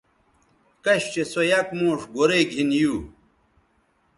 کش چہء سو یک موݜ گورئ گِھن یو